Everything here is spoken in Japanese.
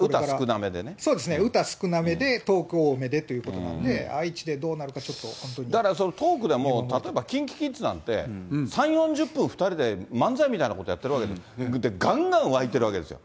そうですね、歌少なめでトーク多めでということなんで、愛知でどうなるか、だからトークでも例えばＫｉｎＫｉＫｉｄｓなんて、３、４０分、２人で漫才みたいなことやってるわけで、がんがん沸いてるわけですよ。